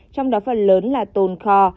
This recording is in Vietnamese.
trong đó phần lớn là tồn kho